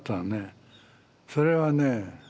それはね